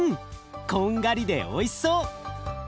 こんがりでおいしそう！